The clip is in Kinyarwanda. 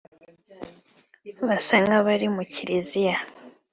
basa nk’abari mu Kiliziya